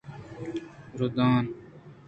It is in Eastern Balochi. رُدان